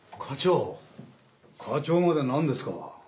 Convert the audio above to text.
課長までなんですか？